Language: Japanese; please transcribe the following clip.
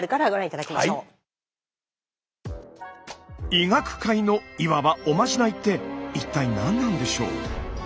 医学界のいわば「おまじない」って一体何なんでしょう？